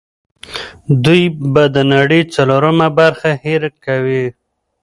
دوی به د نړۍ څلورمه برخه هېر کوي.